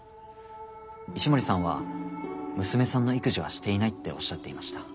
石森さんは娘さんの育児はしていないっておっしゃっていました。